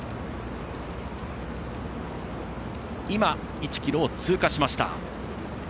１ｋｍを通過しました。